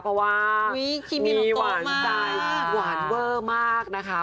เพราะว่าหวานใจหวานเวอร์มากนะคะ